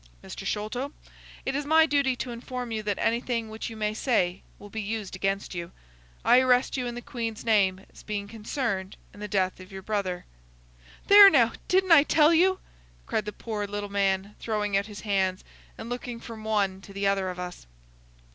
—Mr. Sholto, it is my duty to inform you that anything which you may say will be used against you. I arrest you in the Queen's name as being concerned in the death of your brother." "There, now! Didn't I tell you!" cried the poor little man, throwing out his hands, and looking from one to the other of us.